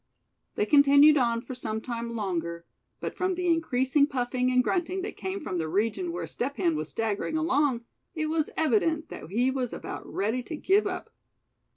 They continued on for some time longer; but from the increasing puffing and grunting that came from the region where Step Hen was staggering along, it was evident that he was about ready to give up.